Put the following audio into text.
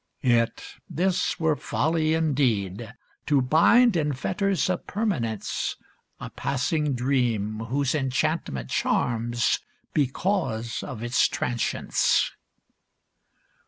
Yet, this were folly indeed; to bind, in fetters of permanence, A passing dream whose enchantment charms because of its trancience.